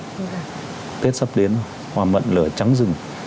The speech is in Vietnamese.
chúng ta đã tập đến hoa mận lở trắng rừng